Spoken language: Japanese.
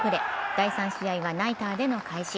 第３試合はナイターでの開始。